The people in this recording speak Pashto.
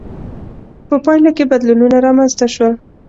په پایله کې بدلونونه رامنځته شول.